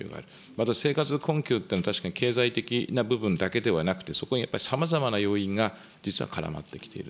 また生活困窮というのは、確かに経済的な部分だけではなくて、そこにやっぱさまざまな要因が実は絡まってきている。